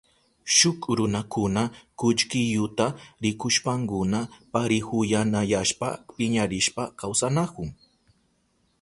Shuk runakuna kullkiyuta rikushpankuna parihuyanayashpa piñarishpa kawsanahun.